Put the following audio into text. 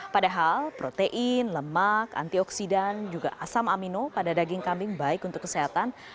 padahal protein lemak antioksidan juga asam amino pada daging kambing baik untuk kesehatan